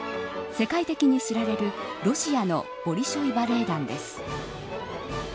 世界的に知られるロシアのボリショイ・バレエ団です。